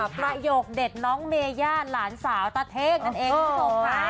ประโยคเด็ดน้องเมยาหลานสาวตะเทกนั่นเองที่ส่งไป